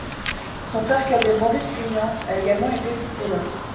Son frère cadet Maurice Bunyan a également été footballeur.